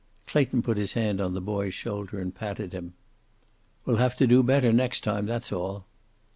Clayton put his hand on the boy's shoulder and patted him. "We'll have to do better next time. That's all."